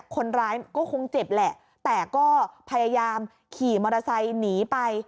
คนร้ายก็คงเจ็บแหละแต่ก็พยายามขี่มอเตอร์ไซค์หนีไป